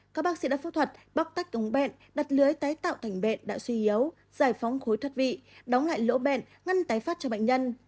các bác sĩ đã phẫu thuật bóc tách ống bẹn đặt lưới tái tạo thành bệnh đã suy yếu giải phóng khối thất vị đóng lại lỗ bệnh ngăn tái phát cho bệnh nhân